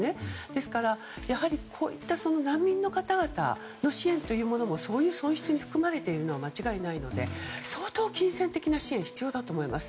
ですから、やはりこういった難民の方々の支援もそういう損失に含まれているのは間違いないので相当、金銭的な支援が必要だと思います。